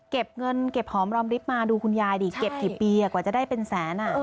เก็บเงินเก็บหอมรอมริบมาดูคุณยายดิเก็บกี่ปีกว่าจะได้เป็นแสน